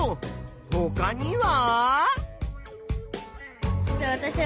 ほかには？